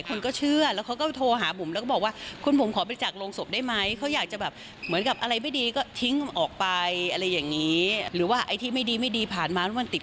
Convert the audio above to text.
คุณผู้ชมเห็นไหมคะว่าวันนี้แม่บุ๋มของเราสวยมาก